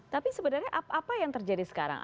tapi sebenarnya apa yang terjadi sekarang